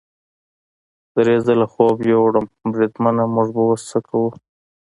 درې ځله خوب یووړم، بریدمنه موږ به اوس څه کوو؟